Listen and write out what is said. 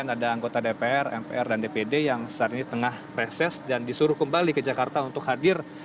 ada anggota dpr mpr dan dpd yang saat ini tengah reses dan disuruh kembali ke jakarta untuk hadir